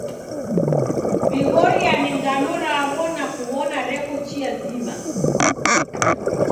W'ighoriane ngano raw'o na kuw'ona reko chia zima.